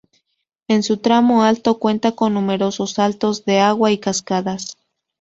En su tramo alto cuenta con numerosos saltos de agua y cascadas.